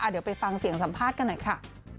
เดี๋ยวไปฟังเสียงสัมภาษณ์กันหน่อยค่ะ